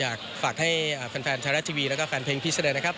อยากฝากให้แฟนไทยรัฐทีวีแล้วก็แฟนเพลงพิเศษนะครับ